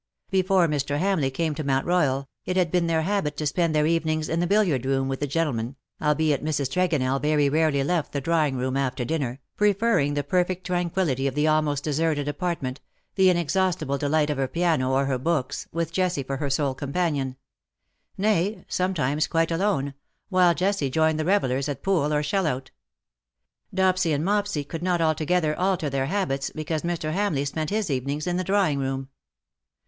Before Mr. Hamleigh came to Mount Boyal, it had been their habit to spend their evenings in the billiard room with the gentle men, albeit Mrs. Tregonell very rarely left the drawing room after dinner, preferring the perfect tranquillity of that almost deserted apartment, the inexhaustible delight of her piano or her books, with Jessie for her sole companion — nay, sometimes, quite alone, while Jessie joined the revellers at pool or shell out. Dopsy and Mopsy could not altogether alter their habits because Mr. Hamleigh spent his evenings in the drawing room : the THAT THE DAY WILL END."